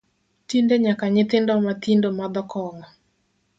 Tinde nyaka nyithindo mathindo madho kong’o